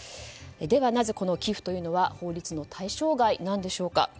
ではなぜこの寄付というのは法律の対象外なんでしょうか。